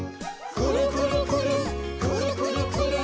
「くるくるくるっくるくるくるっ」